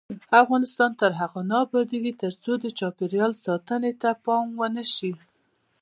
افغانستان تر هغو نه ابادیږي، ترڅو د چاپیریال ساتنې ته پام ونشي.